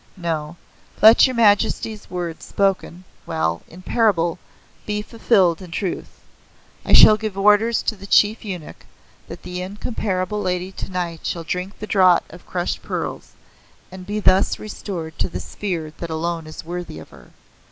No. Let Your Majesty's words spoken well in parable, be fulfilled in truth. I shall give orders to the Chief Eunuch that the Incomparable Lady tonight shall drink the Draught of Crushed Pearls, and be thus restored to the sphere that alone is worthy of her.